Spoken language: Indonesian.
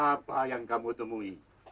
kalimat keramat apa yang kamu temui